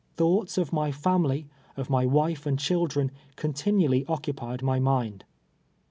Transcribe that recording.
Thoughts of my family, of my v, ife and chil dren, continually occupied my mind.